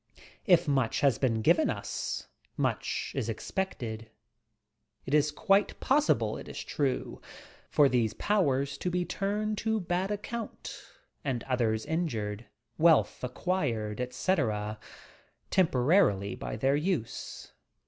If much has been given us, much is expected! It is quite possible, it is true, for these powers to be turned to bad account, and others injured, wealth ac quired, etc., temporarily by their use.